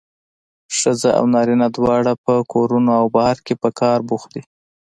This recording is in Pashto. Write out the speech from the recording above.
ښځینه او نارینه دواړه په کورونو او بهر کې په کار بوخت دي.